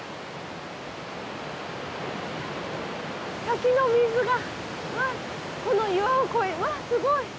滝の水がこの岩を越えてうわすごい。